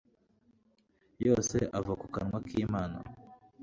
yose ava mu kanwa k’Imana.”